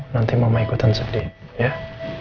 nanti mama ikutan sedih